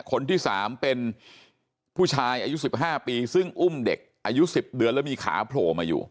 คนที่๓เป็นผู้ชายอายุ๑๕ปีซึ่งอุ้มเด็กอายุ๑๐เดือนแล้วมีขาโผล่มาอยู่